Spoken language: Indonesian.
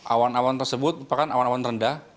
awan awan tersebut merupakan awan awan rendah